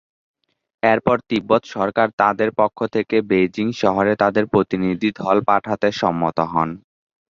এরপর তিব্বত সরকার তাদের পক্ষ থেকে বেইজিং শহরে তাদের প্রতিনিধিদল পাঠাতে সম্মত হন।